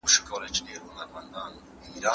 څېړونکی د متن شواهد څنګه څېړي؟